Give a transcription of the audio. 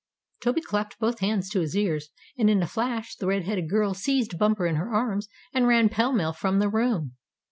Toby clapped both hands to his ears, and in a flash the red headed girl seized Bumper in her arms and ran pell mell from the room.